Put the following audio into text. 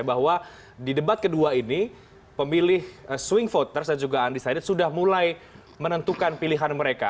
bahwa di debat kedua ini pemilih swing voters dan juga undecided sudah mulai menentukan pilihan mereka